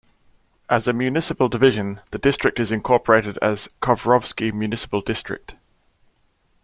As a municipal division, the district is incorporated as Kovrovsky Municipal District.